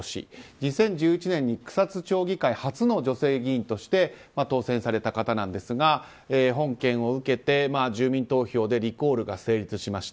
２０１１年に草津町議会初の女性議員として当選された方なんですが本件を受けて住民投票でリコールが成立しました。